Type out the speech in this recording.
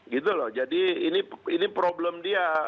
gitu loh jadi ini problem dia